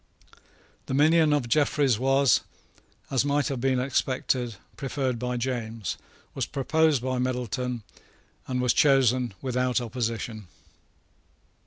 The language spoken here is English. The minion of Jeffreys was, as might have been expected, preferred by James, was proposed by Middleton, and was chosen without opposition.